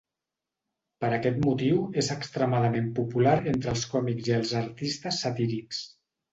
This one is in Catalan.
Per aquest motiu, és extremadament popular entre els còmics i els artistes satírics.